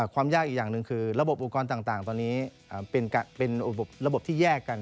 ความยากอีกอย่างหนึ่งคือระบบอุปกรณ์ต่างตอนนี้เป็นระบบที่แยกกัน